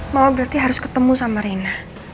mama berarti harus ketemu sama rina